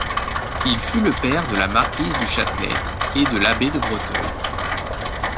Il fut le père de la marquise du Châtelet et de l'abbé de Breteuil.